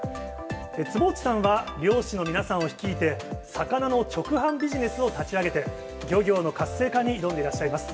坪内さんは、漁師の皆さんを率いて、魚の直販ビジネスを立ち上げて、漁業の活性化に挑んでいらっしゃいます。